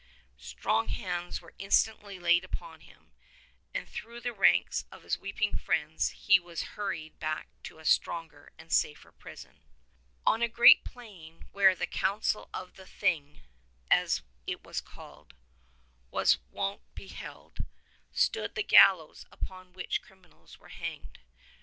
Strong hands were instantly laid upon him, and through the ranks of his weeping friends he was hurried back to a stronger and a safer prison. On a great open plain where the Council of the Thing, as it was called, was wont to be held, stood the gallows upon which criminals were hanged.